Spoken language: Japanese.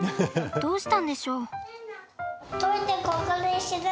どうしたんでしょう？